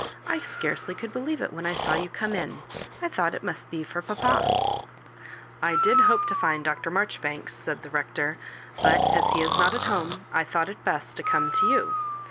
I scarcely could believe it when I saw you com© in: I thought it must be for papa." "I did hope to find Dr. Maijoribanks," said the Rector, " but as he is not at home, I thought it best to come to you.